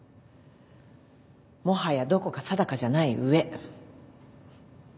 もはやどこか定かじゃない上。